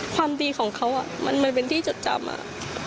ความดีของเขามันเป็นที่จดจำอะ